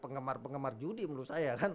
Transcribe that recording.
penggemar penggemar judi menurut saya kan